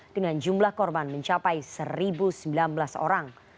dengan jumlah korban mencapai satu sembilan belas orang